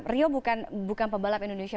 rio bukan pebalap indonesia